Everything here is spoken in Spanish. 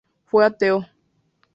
Fue ateo.